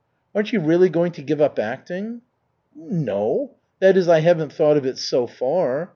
"Aren't you really going to give up acting?" "No that is, I haven't thought of it so far.